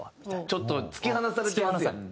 ちょっと突き放されてますやん。